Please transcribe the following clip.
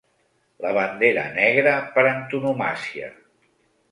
La bandera negra per antonomàsia.